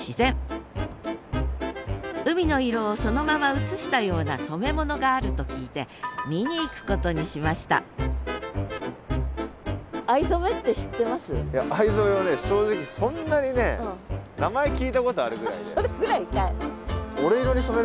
海の色をそのまま映したような染め物があると聞いて見に行くことにしました藍染めは正直そんなにね名前聞いたことあるぐらいで。